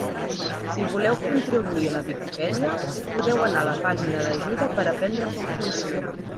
Si voleu contribuir a la Viquipèdia, podeu anar a la pàgina d'ajuda per aprendre com funciona.